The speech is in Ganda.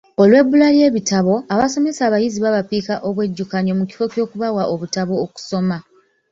Olw'ebbula ly'ebitabo, abasomesa abayizi babapiika obwejjukanyo mu kifo ky'okubawa obutabo okusoma!